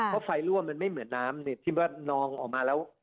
เพราะไฟรั่วมันไม่เหมือนน้ำที่ว่านองออกมาแล้ว